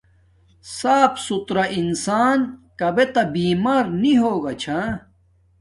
صاف ستھرا انسان کابے تا بیمار نی ہوگا چھا